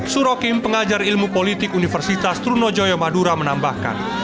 surokim pengajar ilmu politik universitas trunojoyo madura menambahkan